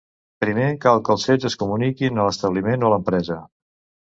Primer cal que els fets es comuniquin a l'establiment o a l'empresa.